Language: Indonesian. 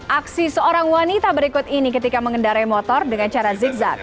aksi seorang wanita berikut ini ketika mengendarai motor dengan cara zigzag